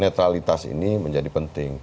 netralitas ini menjadi penting